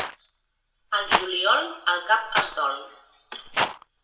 Al juliol, el cap es dol.